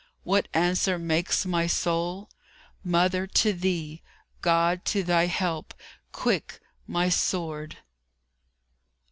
What answer makes my soul? "Mother, to thee! God, to Thy help! Quick! My sword!"